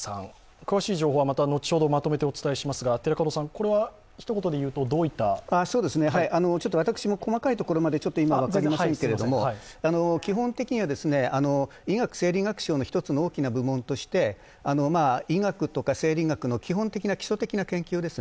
詳しい情報は後ほどまとめてお伝えしますが私も細かいところまで分かりませんが基本的には医学生理学賞の一つの大きな部門として医学とか生理学の基本的な、基礎的な研究です。